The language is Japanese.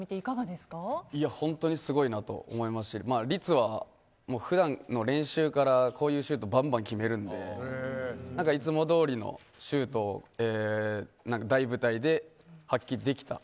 本当にすごいなと思いますし律は普段の練習からこういうシュートばんばん決めるのでいつもどおりのシュートを大舞台で発揮できた。